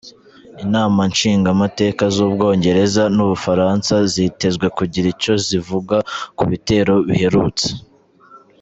Inama nshingamateka z'Ubwongereza n'Ubufaransa zitezwe kugira ico zivuze ku bitero biherutse.